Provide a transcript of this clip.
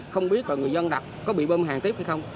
không biết người dân đập có bị bơm hàng tiếp hay không